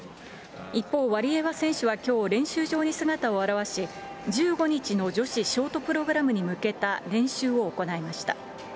一方、ワリエワ選手はきょう、練習場に姿を現し、１５日の女子ショートプログラムに向けた練習を行いました。